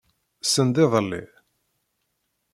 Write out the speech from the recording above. Send iḍelli.